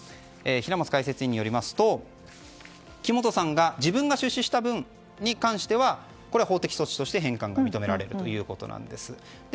平松解説委員によりますと木本さんが自分が出資した分については法的措置として返還が認められるということです。